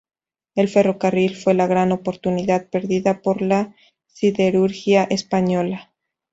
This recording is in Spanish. El ferrocarril fue la gran oportunidad perdida por la siderurgia española.